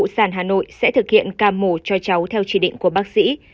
sẽ thực hiện cam mổ cho cháu theo chỉ định của bác sĩ